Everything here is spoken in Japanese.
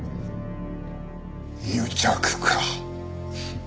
癒着か。